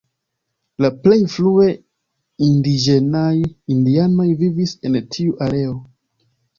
La plej frue indiĝenaj indianoj vivis en tiu areo.